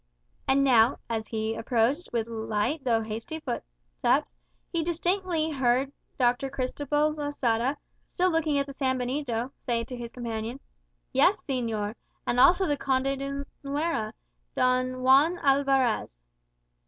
And now, as he approached with light though hasty footsteps, he distinctly heard Dr. Cristobal Losada, still looking at the Sanbenito, say to his companion, "Yes, señor; and also the Conde de Nuera, Don Juan Alvarez."